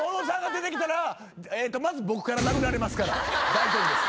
大丈夫です。